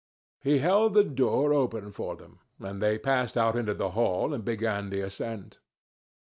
He held the door open for them, and they passed out into the hall and began the ascent.